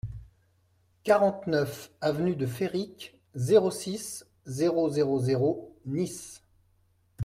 quarante-neuf avenue de Féric, zéro six, zéro zéro zéro, Nice